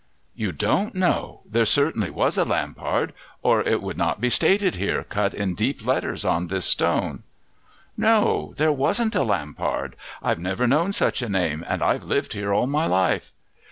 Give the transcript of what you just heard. "You don't know! There certainly was a Lampard or it would not be stated here, cut in deep letters on this stone." "No, there wasn't a Lampard. I've never known such a name and I've lived here all my life."